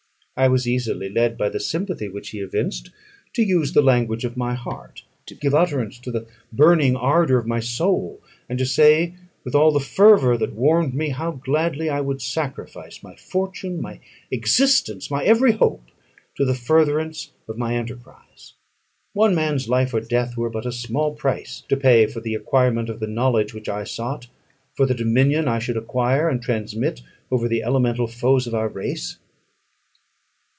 I was easily led by the sympathy which he evinced, to use the language of my heart; to give utterance to the burning ardour of my soul; and to say, with all the fervour that warmed me, how gladly I would sacrifice my fortune, my existence, my every hope, to the furtherance of my enterprise. One man's life or death were but a small price to pay for the acquirement of the knowledge which I sought; for the dominion I should acquire and transmit over the elemental foes of our race.